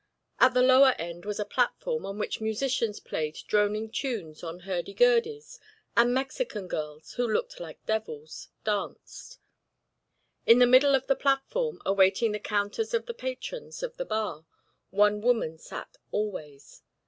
At the lower end was a platform on which musicians played droning tunes on hurdy gurdies, and Mexican girls, who looked like devils, danced. In the middle of the platform, awaiting the counters of the patrons of the bar, one woman sat always.